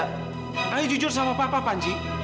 saya jujur sama papa panji